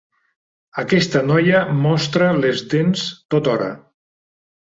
Aquesta noia mostra les dents tothora.